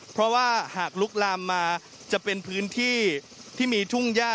เพราะว่าหากลุกลามมาจะเป็นพื้นที่ที่มีทุ่งย่า